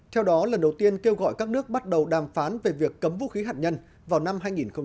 theo đó lần đầu tiên kêu gọi các nước bắt đầu đàm phán về việc cấm vũ khí hạt nhân vào năm hai nghìn hai mươi